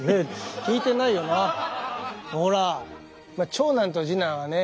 長男と次男はね